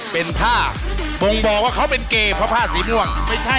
เป็นผ้าบังบอกว่าเขาเป็นเกรเมอร์เพราะภาษาบ้านไม่ใช่